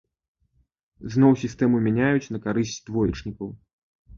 Зноў сістэму мяняюць на карысць двоечнікаў.